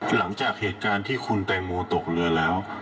หลังจากเหตุการณ์ที่คุณแตงโมตกเรือแล้ว